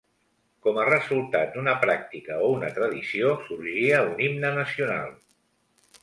Com a resultat d'una pràctica o una tradició, sorgia un himne nacional.